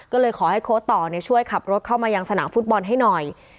ก็เลยขอให้โค้ดต่อช่วยขับรถเข้ามายังสนามฟุตบอลให้หน่อย